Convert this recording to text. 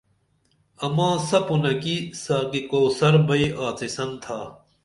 اماں سپُن نہ کی ساقی کوثر بئی آڅِسن تھا